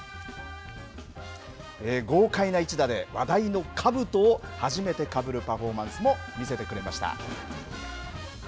豪快な一打で話題のかぶとを初めてかぶるパフォーマンスも見せてくれました。